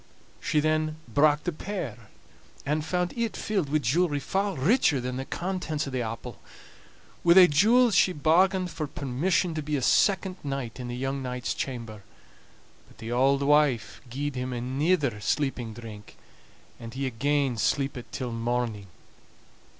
She then brak the pear, and found it filled wi' jewelry far richer than the contents o' the apple. Wi' thae jewels she bargained for permission to be a second night in the young knight's chamber; but the auld wife gied him anither sleeping drink, and he again sleepit till morning.